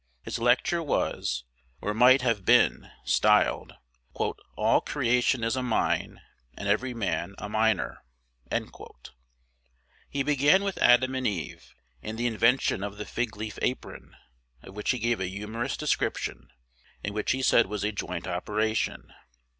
His lecture was, or might have been, styled, "All Creation is a mine, and every man a miner." He began with Adam and Eve, and the invention of the "fig leaf apron," of which he gave a humorous description, and which he said was a "joint operation."